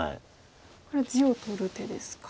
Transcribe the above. これは地を取る手ですか。